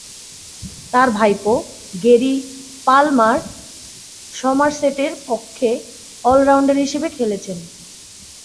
তার ভাইপো Gary Palmer সমারসেটের পক্ষে অল-রাউন্ডার হিসেবে খেলেছেন।